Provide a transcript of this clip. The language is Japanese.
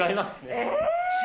え？